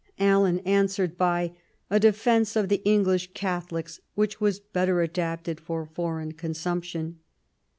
Allen answered by a Defence of the English Catholics, which was better adapted for foreign consumption.